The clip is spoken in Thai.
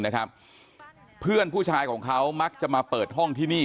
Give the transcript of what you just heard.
นะครับเพื่อนผู้ชายของเขามักจะมาเปิดห้องที่นี่